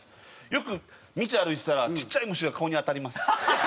よく道歩いてたらちっちゃい虫が顔に当たります。